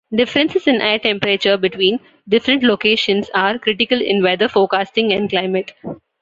Differences in air temperature between different locations are critical in weather forecasting and climate.